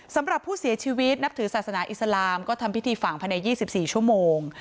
สำหรับผู้เสียชีวิตนับถือศาสนาอิสลามก็ทำพิธีฝังภายใน๒๔ชั่วโมง